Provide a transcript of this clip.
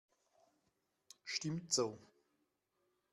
Stimmt so.